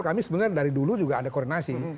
kami sebenarnya dari dulu juga ada koordinasi